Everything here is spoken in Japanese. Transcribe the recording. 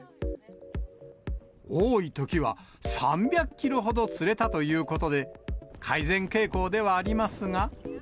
多いときは３００キロほど釣れたということで、改善傾向ではありますが。